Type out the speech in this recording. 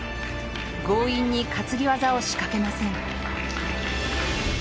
強引に担ぎ技を仕掛けません。